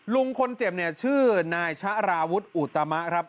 ลุงคนเจ็บเนี่ยชื่อนายชะลาวุฒิอุตมะครับ